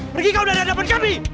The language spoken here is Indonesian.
pergi kau dari hadapan kami